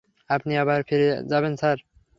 আপনি আবার ফিরে যাবেন, স্যার?